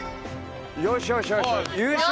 よしよしよしよし。